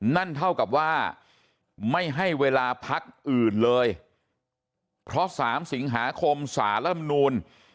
นั่นเท่ากับว่าไม่ให้เวลาพักอื่นเลยเพราะ๓สิงหาคมสารมนูล